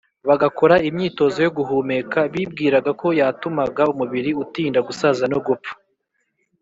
bagakora imyitozo yo guhumeka bibwiraga ko yatumaga umubiri utinda gusaza no gupfa.